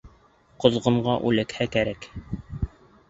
Ҡоҙғонға үләкһә кәрәк.